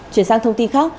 chuyển sang thông tin khác